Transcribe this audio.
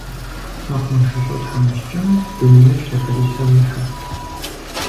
МэкъумэшыщӀэ тхьэмыщкӀэм дунейр лъапэрисэу ихьырт.